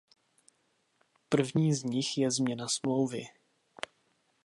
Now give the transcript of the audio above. První z nich je změna Smlouvy.